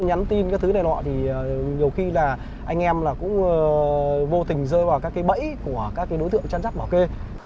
nhắn tin cái thứ này nọ thì nhiều khi là anh em là cũng vô tình rơi vào các cái bẫy của các đối tượng chăn rắt bảo kê